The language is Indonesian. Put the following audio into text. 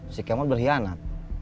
si kemur berhianat